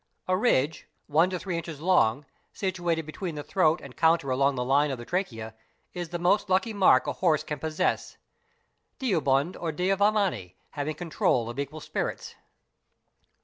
1. A ridge, one to three inches long, situated between the throat and counter along the line of the trachea, is the most lucky mark a horse "can possess, (deobund or devumani=having control of evil spirits).